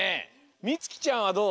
みつきちゃんはどう？